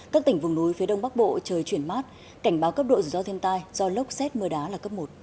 các tỉnh vùng núi phía đông bắc bộ trời chuyển mát cảnh báo cấp độ rủi ro thiên tai do lốc xét mưa đá là cấp một